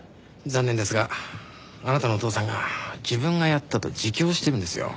残念ですがあなたのお父さんが自分がやったと自供してるんですよ。